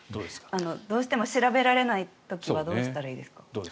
どうしても調べられない時はどうしたらいいですか？